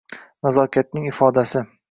Nazokatning ifodasi.